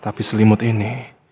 tapi selimut ini